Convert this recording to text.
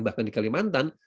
bahkan di kelimantan